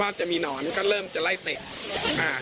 ว่าจะมีหนอนก็เริ่มจะไล่เตะ